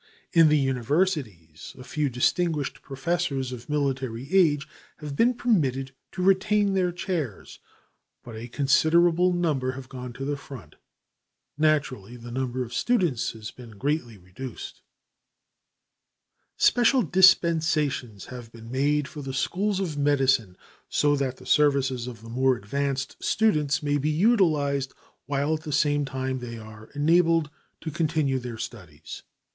In the universities a few distinguished professors of military age have been permitted to retain their chairs, but a considerable number have gone to the front. Naturally the number of students has been greatly reduced. [Illustration: THE SMALL CANALS OF VENICE WERE ALMOST DESERTED Photograph by E. M. Newman] Special dispensations have been made for the schools of medicine, so that the services of the more advanced students may be utilized while at the same time they are enabled to continue their studies.